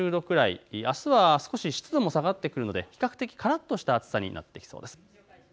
湿度が下がってくるので比較的からっとした暑さになりそうです。